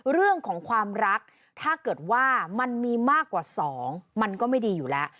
เรื่องของความรักถ้าเกิดว่ามันมีมากกว่า๒มันก็ไม่ดีอยู่แล้ว